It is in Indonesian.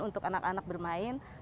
untuk anak anak bermain